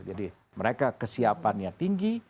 jadi mereka kesiapan yang tinggi